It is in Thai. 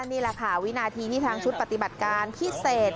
นี่แหละค่ะวินาทีนี้ทางชุดปฏิบัติการพิเศษ